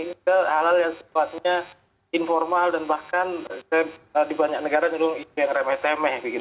hal hal yang sepatunya informal dan bahkan di banyak negara menurut saya remeh temeh